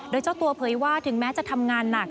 โดยเจ้าตัวเผยว่าถึงแม้จะทำงานหนัก